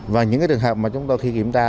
và những cái trường hợp mà chúng ta khi kiểm tra